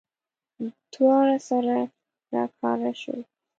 دواړه سره راوکاره شول.